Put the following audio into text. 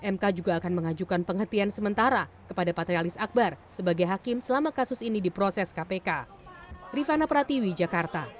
mk juga akan mengajukan penghentian sementara kepada patrialis akbar sebagai hakim selama kasus ini diproses kpk